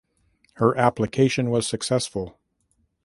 Her application was successful.